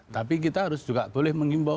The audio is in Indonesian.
tapi kita harus juga boleh mengimbau